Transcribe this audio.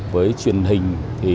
với truyền hình